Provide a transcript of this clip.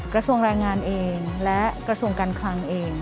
กระทรวงแรงงานเองและกระทรวงการคลังเอง